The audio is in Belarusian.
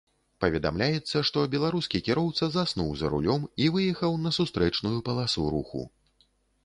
Паведамляецца, што беларускі кіроўца заснуў за рулём і выехаў на сустрэчную паласу руху.